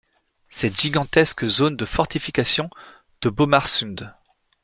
Cette gigantesque zone de fortifications de Bomarsund.